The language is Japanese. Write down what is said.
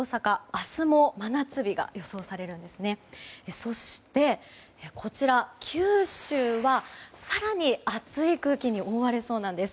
そして、こちら九州は更に暑い空気に覆われそうなんです。